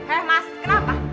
eh mas kenapa